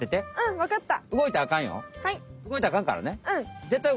わかった！